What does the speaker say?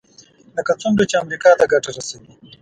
لکه څومره چې امریکا ته ګټه رسوي.